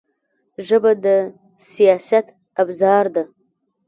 ژبه د سیاست ابزار ده